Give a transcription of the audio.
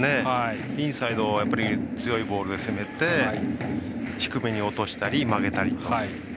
インサイドを強いボールで攻めて低めに落としたり、曲げたりと。